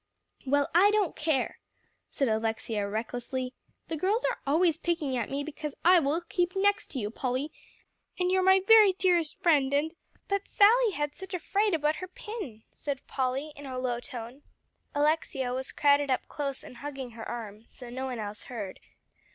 "Well, I don't care," said Alexia recklessly, "the girls are always picking at me because I will keep next to you, Polly, and you're my very dearest friend, and " "But Sally had such a fright about her pin," said Polly in a low tone. Alexia was crowded up close and hugging her arm, so no one else heard.